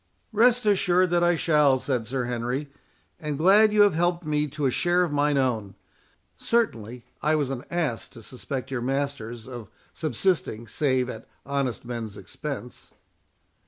"Rest assured that I shall," said Sir Henry; "and glad you have helped me to a share of mine own. Certainly I was an ass to suspect your masters of subsisting, save at honest men's expense."